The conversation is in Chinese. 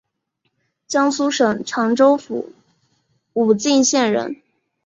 江苏省常州府武进县人。